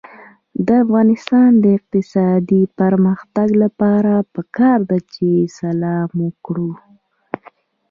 د افغانستان د اقتصادي پرمختګ لپاره پکار ده چې سلام وکړو.